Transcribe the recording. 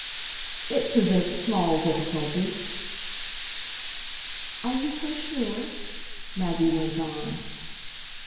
"It presents small difficulty!" "Are you so sure?" Maggie went on.